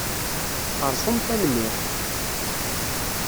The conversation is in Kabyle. Xeṛṣum tanemmirt.